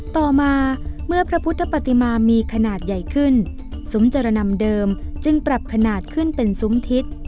ต่อมาเมื่อพระพุทธปฏิมามีขนาดใหญ่ขึ้นซุ้มจรนำเดิมจึงปรับขนาดขึ้นเป็นซุ้มทิศ